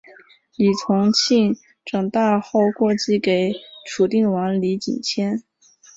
李从庆长大后过继给楚定王李景迁。